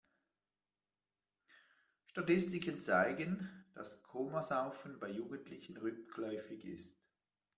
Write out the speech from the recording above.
Statistiken zeigen, dass Komasaufen bei Jugendlichen rückläufig ist.